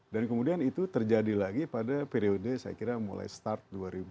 dan kemudian itu terjadi lagi pada periode saya kira mulai start dua ribu dua puluh